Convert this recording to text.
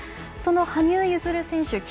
その羽生結弦選手